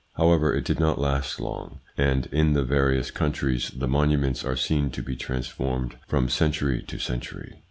However, it did not last long, and in the various countries the monuments are seen to be transformed from century to century.